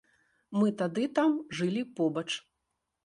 Мы тады там жылі побач.